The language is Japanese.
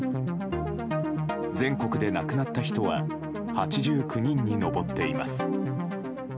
全国で亡くなった人は８９人に上っています。